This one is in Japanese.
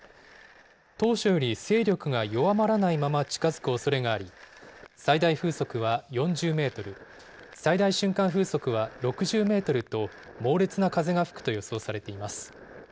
当初より勢力が弱まらないまま近づくおそれがあり、最大風速は４０メートル、最大瞬間風速は６０メートルと、猛烈な風が吹くと予想されています。